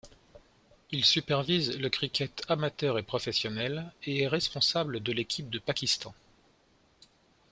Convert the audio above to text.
Il supervise le cricket amateur et professionnel, et est responsable de l'équipe de Pakistan.